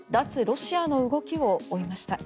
ロシアの動きを追いました。